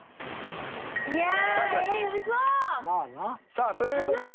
さあという事で。